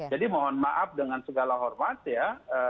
jadi mohon maaf dengan segala hormat ya